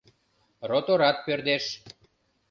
Роторат пӧрдеш.